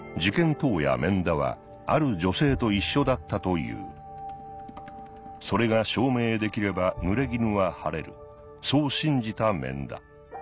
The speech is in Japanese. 当夜免田はある女性と一緒だったというそれが証明できればぬれぎぬは晴れるそう信じた免田